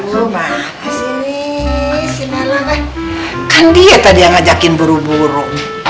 lu mana sini si malang kan dia tadi yang ngajakin buru buru